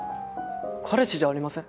彼氏じゃありません。